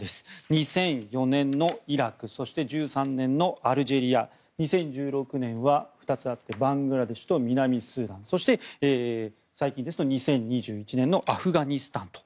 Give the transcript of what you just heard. ２００４年のイラクそして、１３年のアルジェリア２０１６年は２つあってバングラデシュと南スーダンそして最近ですと２０２１年のアフガニスタンと。